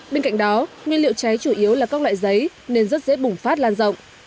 bên cạnh đó nguyên liệu cháy chủ yếu là các loại giấy nên rất dễ bùng phát lan rộng